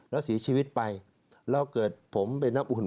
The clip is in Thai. แล้วเสียชีวิตไปแล้วเกิดผมเป็นน้ำอุ่น